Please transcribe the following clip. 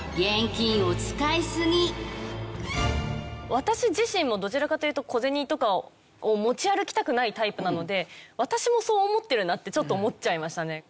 私自身もどちらかというと小銭とかを持ち歩きたくないタイプなので私もそう思ってるなってちょっと思っちゃいましたね。